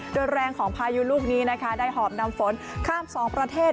โดยแรงของพายุลูกนี้นะคะได้หอบนำฝนข้ามสองประเทศ